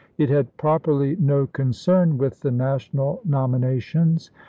It had properly no concern with the National nomina tions.